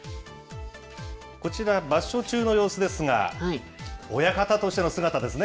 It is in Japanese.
こちら、場所中の様子ですが、親方としての姿ですね。